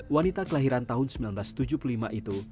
wanita kelahiran tahun seribu sembilan ratus tujuh puluh lima itu